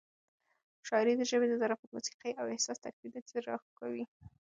شاعري د ژبې د ظرافت، موسيقۍ او احساس ترکیب دی چې زړه راښکوي.